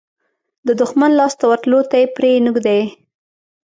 د دښمن لاس ته ورتلو ته یې پرې نه ږدي.